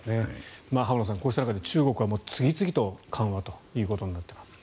浜田さん、こうした中で中国は次々と緩和ということになっています。